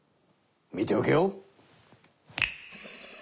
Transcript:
見ておけよ！